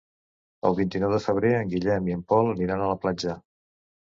El vint-i-nou de febrer en Guillem i en Pol aniran a la platja.